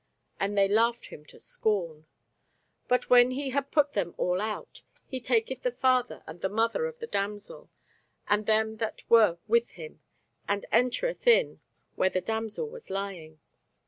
And they laughed him to scorn. But when he had put them all out, he taketh the father and the mother of the damsel, and them that were with him, and entereth in where the damsel was lying.